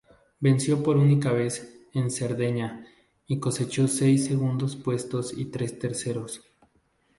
Venció por única vez en Cerdeña, y cosechó seis segundos puestos y tres terceros.